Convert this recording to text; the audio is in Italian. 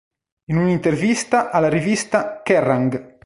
In un'intervista alla rivista "Kerrang!